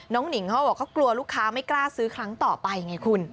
หนิงเขาบอกเขากลัวลูกค้าไม่กล้าซื้อครั้งต่อไปไงคุณ